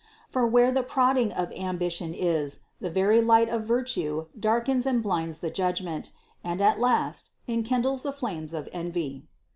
For where the prodding of ambition is, the very light of virtue darkens and blinds the judgment, and at last enkindles the flames of envy.